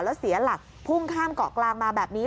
แล้วเสียหลักพุ่งข้ามเกาะกลางมาแบบนี้